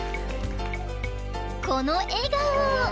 ［この笑顔］